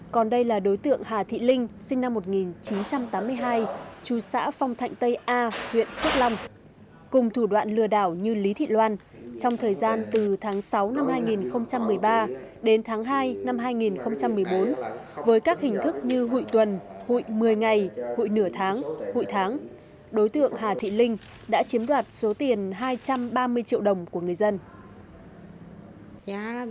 còn đây là đối tượng hà thị linh sinh năm một nghìn chín trăm tám mươi hai tru xã phong thạnh tây a huyện phước long